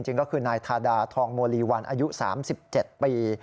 จริงก็คือนายทาดาทองโมลีวันอายุ๓๗ปี